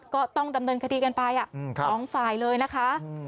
ก็ต้องดำเนินคดีกันไปสองฝ่ายเลยนะคะ